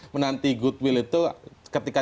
menanti goodwill itu ketika